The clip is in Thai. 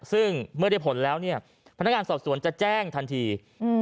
ซึ่งเมื่อได้ผลแล้วเนี่ยพนักงานสอบสวนจะแจ้งทันที